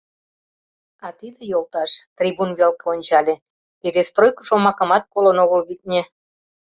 А тиде йолташ, — трибун велке ончале, — «перестройко» шомакымат колын огыл, витне.